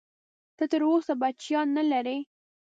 ته تر اوسه بچیان نه لرې؟